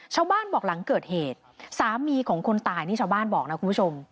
ชาวบ้านบอกหลังเกิดเหตุสามีของคนตายนี่ชาวบ้านบอกนะคุณผู้ชม